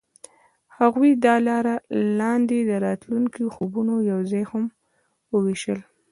هغوی د لاره لاندې د راتلونکي خوبونه یوځای هم وویشل.